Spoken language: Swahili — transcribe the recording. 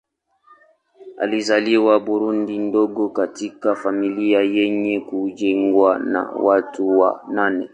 Alizaliwa Burundi mdogo katika familia yenye kujengwa na watu wa nane.